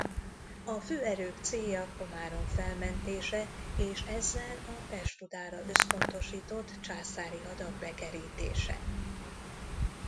A főerők célja Komárom felmentése és ezzel a Pest-Budára összpontosított császári hadak bekerítése.